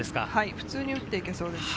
普通に打っていけそうです。